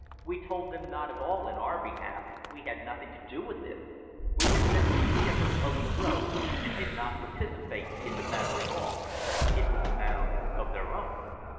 We told them no, a, all ,n our behalf, we had nothmg To do with it; we were simply shippers over the road and d,d no, part,c,pa, ,, the matter at all; it was a matter of their own.